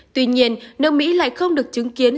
tuy nhiên nước mỹ lại không được chứng kiến